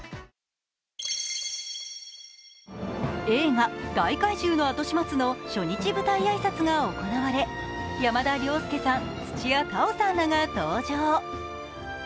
映画「大怪獣のあとしまつ」の初日舞台挨拶が行われ山田涼介さん、土屋太鳳さんらが登場。